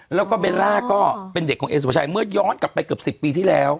แล้วก็เบลล่าก็เป็นเด็กของเอสุภาชัยเมื่อย้อนกลับไปเกือบ๑๐ปีที่แล้ว